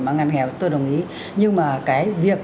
mà ngăn nghèo tôi đồng ý nhưng mà cái việc